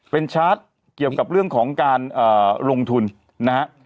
เป็นชาร์จเกี่ยวกับเรื่องของการลงทุนนะฮะ